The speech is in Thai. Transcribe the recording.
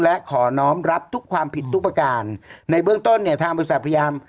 และขอน้องรับทุกความผิดทุกประการในเบื้องต้นเนี่ยทางบริษัทพยายาม